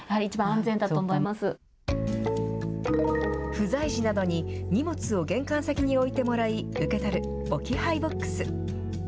不在時などに、荷物を玄関先に置いてもらい受け取る、置き配ボックス。